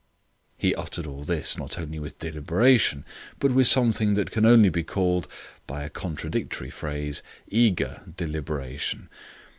He uttered all this not only with deliberation, but with something that can only be called, by a contradictory phrase, eager deliberation.